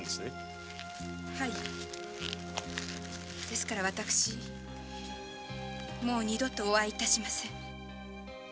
ですから私もう二度とお会い致しません。